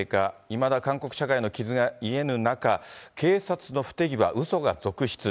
いまだ韓国社会の傷が癒えぬ中、警察の不手際、うそが続出。